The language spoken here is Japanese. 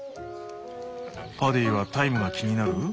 パディはタイムが気になる？